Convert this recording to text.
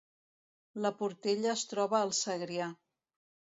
La Portella es troba al Segrià